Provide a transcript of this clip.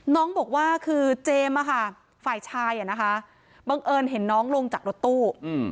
น้องบอกว่าคือเจมส์ฝ่ายชายบังเอิญเห็นน้องลงจากรถตู้